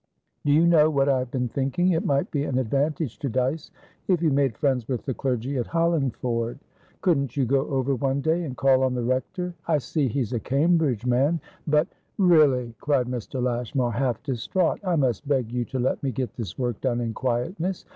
Do you know what I have been thinking? It might be an advantage to Dyce if you made friends with the clergy at Hollingford. Couldn't you go over one day, and call on the rector. I see he's a Cambridge man, but" "Really," cried Mr. Lashmar, half distraught, "I must beg you to let me get this work done in quietness.